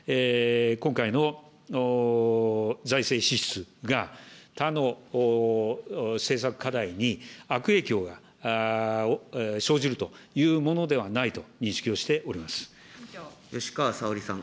今回の財政支出が他の政策課題に悪影響が生じるというものではな吉川沙織さん。